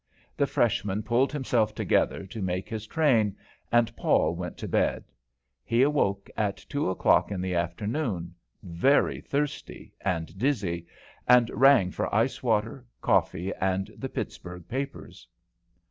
The freshman pulled himself together to make his train, and Paul went to bed. He awoke at two o'clock in the afternoon, very thirsty and dizzy, and rang for ice water, coffee, and the Pittsburgh papers.